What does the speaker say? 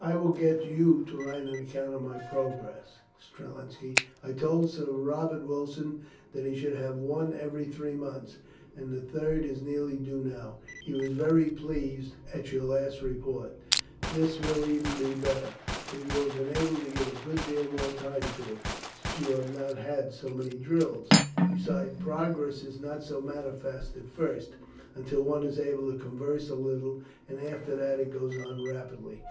"I will get you to write an account of my progress, Strelinski. I told Sir Robert Wilson that he should have one every three months, and the third is nearly due now. He was very pleased at your last report." "This will be even better, for you have been able to give a good deal more time to it, since you have not had so many drills. Besides, progress is not so manifest at first, until one is able to converse a little; after that it goes on rapidly."